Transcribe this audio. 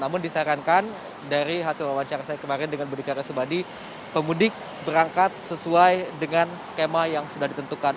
namun disarankan dari hasil wawancara saya kemarin dengan budi karya sumadi pemudik berangkat sesuai dengan skema yang sudah ditentukan